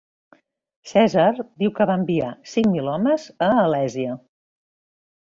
Cèsar diu que van enviar cinc mil homes a Alèsia.